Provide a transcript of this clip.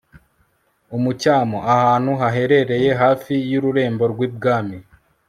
umucyamo ahantu haherereye hafi y'ururembo rwi bwami